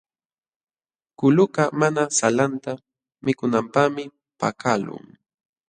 Kulukaq mana salanta mikunanpaqmi pakaqlun.